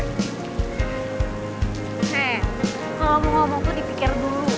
hei kalo mau ngomong tuh dipikir dulu